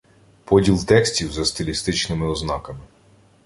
Поділ текстів за стилістичнимим ознаками